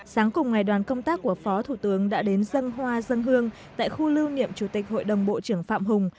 sáng cùng ngày đoàn công tác của phó thủ tướng đã đến dân hoa dân hương tại khu lưu niệm chủ tịch hội đồng bộ trưởng phạm hùng